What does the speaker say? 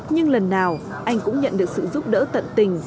nhưng lần nào anh cũng nhận được sự giúp đỡ tận tình